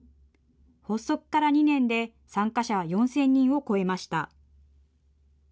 発足から２年で、参加者は４０００人を超えました。